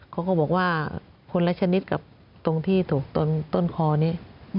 เขาก็บอกว่าคนละชนิดกับตรงที่ถูกต้นคอนี้